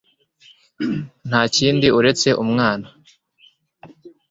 Nta kindi uretse umwana